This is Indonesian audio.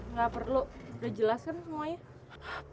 nggak perlu udah jelas kan semuanya